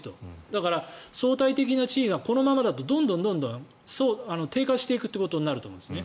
だから相対的な地位がこのままだとどんどん低下していくということになると思います。